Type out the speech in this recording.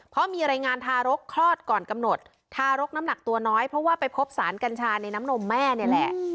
เพราะมีรายงานทารกคลอดก่อนกำหนดทารกน้ำหนักตัวน้อยเพราะว่าไปพบสารกัญชาในน้ำนมแม่นี่แหละ